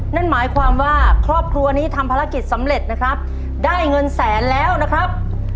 นั่นหมายความว่าครอบครัวนี้ทำภารกิจสำเร็จนะครับได้เงินแสนแล้วนะครับ